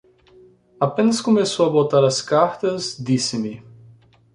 Apenas começou a botar as cartas, disse-me: